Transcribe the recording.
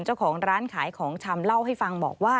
เจ้าของร้านขายของชำเล่าให้ฟังบอกว่า